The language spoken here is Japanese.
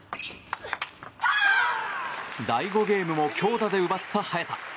第５ゲームも強打で奪った早田。